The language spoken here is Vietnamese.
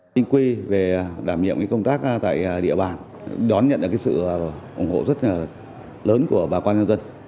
tình quy về đảm nhiệm công tác tại địa bàn đón nhận sự ủng hộ rất lớn của bà quan nhân dân